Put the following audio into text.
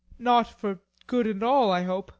Not for good and all, I hope.